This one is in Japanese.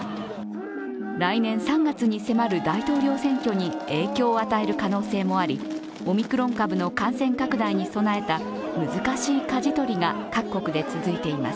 来年３月に迫る大統領選挙に影響を与える可能性もあり、オミクロン株の感染拡大に備えた難しいかじ取りが各国で続いています。